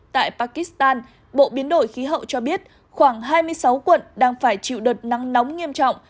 tại pakistan bộ biến đổi khí hậu cho biết khoảng hai mươi sáu quận đang phải chịu đợt nắng nóng nghiêm trọng